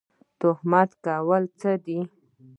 تهمت کول څه دي؟